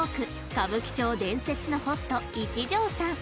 歌舞伎町伝説のホスト一条さん